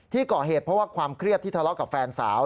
ก่อเหตุเพราะว่าความเครียดที่ทะเลาะกับแฟนสาว